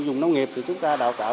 dùng nông nghiệp thì chúng ta đào tạo